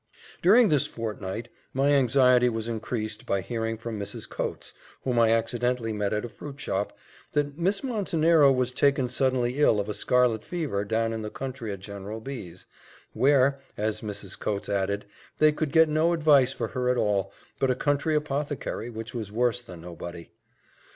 During this fortnight my anxiety was increased by hearing from Mrs. Coates, whom I accidentally met at a fruit shop, that "Miss Montenero was taken suddenly ill of a scarlet fever down in the country at General B 's, where," as Mrs. Coates added, "they could get no advice for her at all, but a country apothecary, which was worse than nobody."